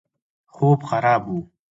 خوب خراب وو.